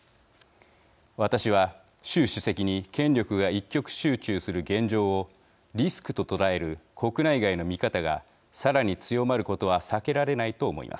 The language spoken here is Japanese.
私は習主席に権力が一極集中する現状をリスクと捉える国内外の見方がさらに強まることは避けられないと思います。